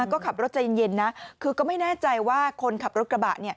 ก็ขับรถใจเย็นนะคือก็ไม่แน่ใจว่าคนขับรถกระบะ